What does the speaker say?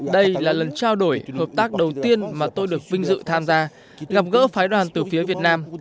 đây là lần trao đổi hợp tác đầu tiên mà tôi được vinh dự tham gia gặp gỡ phái đoàn từ phía việt nam